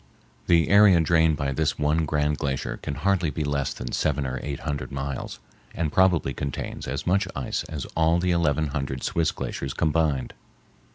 The area drained by this one grand glacier can hardly be less than seven or eight hundred miles, and probably contains as much ice as all the eleven hundred Swiss glaciers combined.